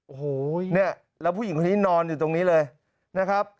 โอ้โหเนี่ยแล้วผู้หญิงคนนี้นอนอยู่ตรงนี้เลยนะครับ